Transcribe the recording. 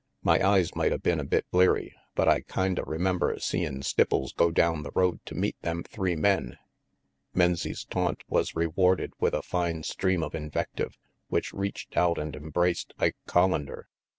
My eyes might of been a bit bleary, but I kinda remember seein' Stipples RANGY PETE 257 go down the road to meet them three men Menzie's taunt was rewarded with a fine stream of invective which reached out and embraced Ike (Hollander.